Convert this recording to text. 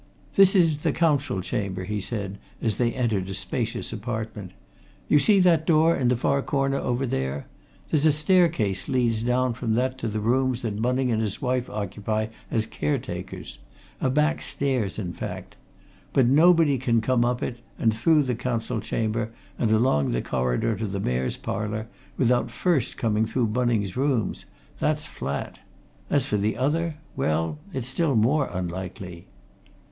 "This is the Council Chamber," he said, as they entered a spacious apartment. "You see that door in the far corner, over there? There's a staircase leads down from that to the rooms that Bunning and his wife occupy as caretakers a back stairs, in fact. But nobody can come up it, and through the Council Chamber, and along the corridor to the Mayor's Parlour without first coming through Bunning's rooms, that's flat. As for the other well, it's still more unlikely."